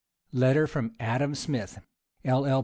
LETTER FROM ADAM SMITH, LL.